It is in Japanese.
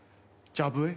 ジャブエ。